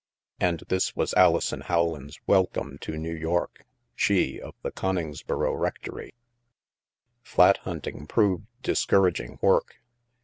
And this was Alison Howland's welcome to New York ! She, of the Coningsboro rectory ! Flat hunting proved discouraging work.